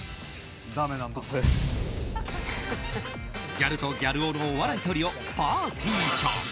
ギャルとギャル男のお笑いトリオ、ぱーてぃーちゃん。